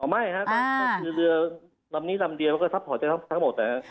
ไม่ครับคือเรือลำนี้ลำเดียวมันก็ซัพพอร์ตทั้งหมดนะครับ